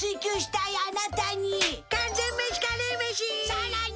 さらに！